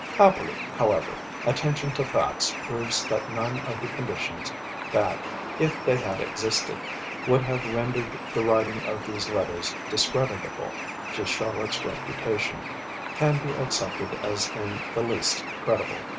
Happily, however, attention to facts proves that none of the conditions that, if they had existed, would have rendered the writing of these Letters discreditable to Charlotte's reputation, can be accepted as in the least credible.